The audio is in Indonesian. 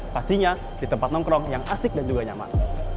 pastinya di tempat nongkrong yang asik dan juga nyaman